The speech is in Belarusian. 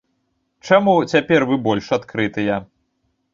Чаму цяпер вы больш адкрытыя?